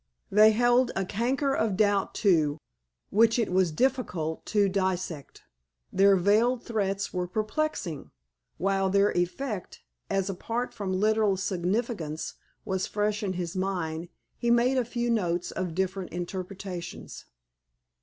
They held a canker of doubt, too, which it was difficult to dissect. Their veiled threats were perplexing. While their effect, as apart from literal significance, was fresh in his mind, he made a few notes of different interpretations.